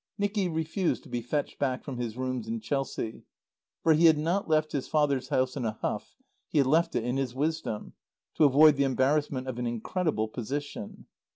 Nicky refused to be fetched back from his rooms in Chelsea. For he had not left his father's house in a huff; he had left it in his wisdom, to avoid the embarrassment of an incredible position.